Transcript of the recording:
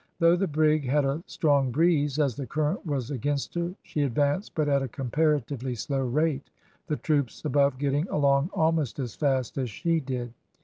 Though the brig had a strong breeze, as the current was against her, she advanced but at a comparatively slow rate, the troops above getting along almost as fast as she did.